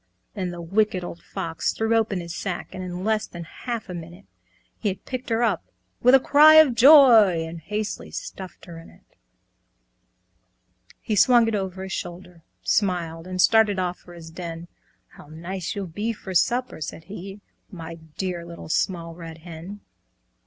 Then the Wicked Old Fox threw open his sack, And in less than half a minute, He had picked her up with a cry of joy, And hastily stuffed her in it. He swung it over his shoulder, smiled, And started off for his den; "How nice you'll be for supper!" said he, "My dear Little Small Red Hen!"